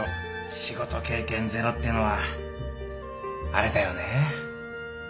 仕事経験ゼロっていうのはあれだよねぇ